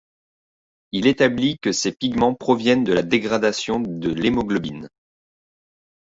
Il établit que ces pigments proviennent de la dégradation de l'hémoglobine.